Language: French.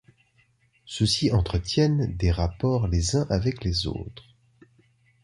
Ceux-ci entretiennent des rapports les uns avec les autres.